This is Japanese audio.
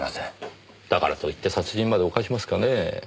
だからといって殺人まで犯しますかねぇ。